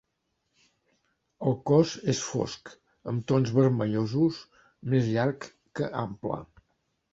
El cos és fosc, amb tons vermellosos, més llarg que ample.